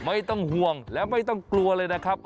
ไม่ต้องห่วงและไม่ต้องกลัวเลยนะครับ